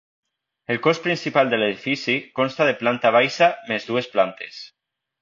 El cos principal de l'edifici consta de planta baixa més dues plantes.